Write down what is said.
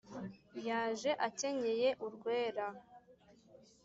yaje akenyeye urwera,